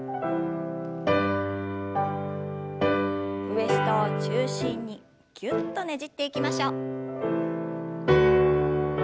ウエストを中心にぎゅっとねじっていきましょう。